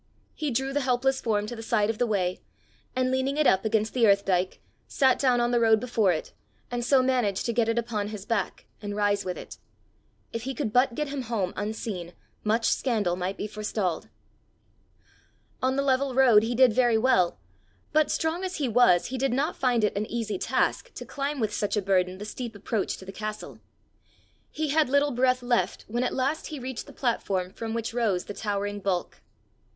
He drew the helpless form to the side of the way, and leaning it up against the earth dyke, sat down on the road before it, and so managed to get it upon his back, and rise with it. If he could but get him home unseen, much scandal might be forestalled! On the level road he did very well; but, strong as he was, he did not find it an easy task to climb with such a burden the steep approach to the castle. He had little breath left when at last he reached the platform from which rose the towering bulk.